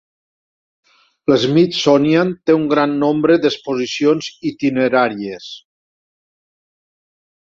L'Smithsonian té un gran nombre d'exposicions itineràries.